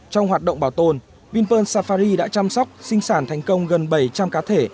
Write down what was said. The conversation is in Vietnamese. trong hoạt động bảo tồn vinpearl safari đã chăm sóc sinh sản thành công gần bảy trăm linh cá thể